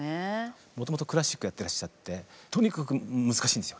もともとクラシックやってらっしゃってとにかく難しいんですよ